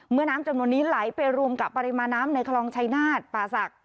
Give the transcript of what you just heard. น้ำจำนวนนี้ไหลไปรวมกับปริมาณน้ำในคลองชายนาฏป่าศักดิ